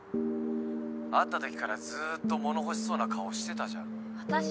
会った時からずっともの欲しそうな顔してたじゃん。